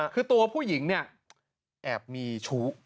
คือตัวผู้หญิงเนี่ยแอบมีชู้